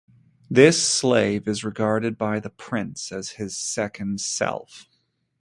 This slave is regarded by the prince as his second self.